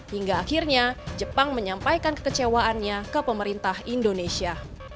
hingga akhirnya jepang menyampaikan kekecewaannya ke pemerintah indonesia